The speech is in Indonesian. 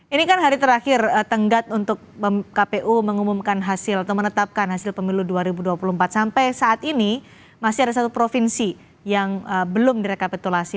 ini kan hari terakhir tenggat untuk kpu mengumumkan hasil atau menetapkan hasil pemilu dua ribu dua puluh empat sampai saat ini masih ada satu provinsi yang belum direkapitulasi